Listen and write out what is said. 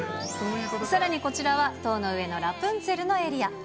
さらにこちらは、塔の上のラプンツェルのエリア。